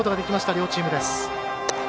両チームです。